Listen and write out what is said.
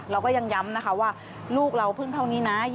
เราก็ยังย้ำนะคะว่าลูกเราเพิ่งเท่านี้นะ